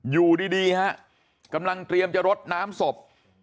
อยู่ดีฮะกำลังเตรียมจะรดน้ำศพ